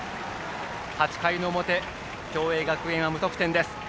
８回の表、共栄学園は無得点です。